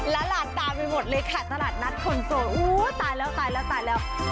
ละหลาดตายไปหมดเลยค่ะตลาดนัดคนโสดตายแล้วตายแล้วตายแล้ว